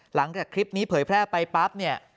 หลังจากคลิปนี้เผยแพร่ไปปั๊บเนี่ย